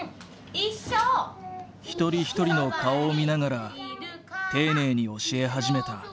一人一人の顔を見ながら丁寧に教え始めた。